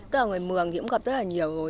tất cả người mường thì cũng gặp rất là nhiều rồi